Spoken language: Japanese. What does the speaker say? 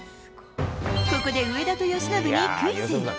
ここで上田と由伸にクイズ。